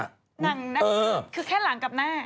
หนังนะคือแค่หลังกับหน้า